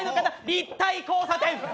立体交差点。